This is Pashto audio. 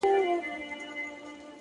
هغه نجلۍ چي هر ساعت به یې پوښتنه کول ـ